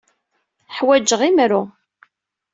Ḥwajeɣ imru.